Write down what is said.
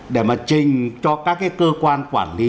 để mà trình cho các cái cơ quan quản lý